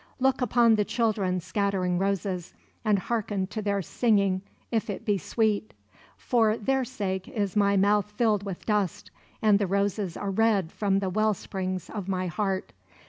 Look upon the children scattering roses, and hearken to their singing if it be sweet: for their sake is my mouth filled with dust, and the roses are red from the well springs of my heart.